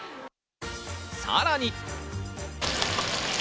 さらに。